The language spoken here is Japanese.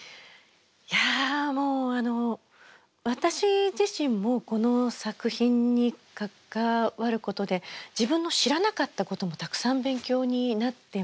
いやもうあの私自身もこの作品に関わることで自分の知らなかったこともたくさん勉強になってます。